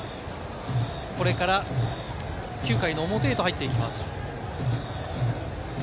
これから９回の表へと入っていきます。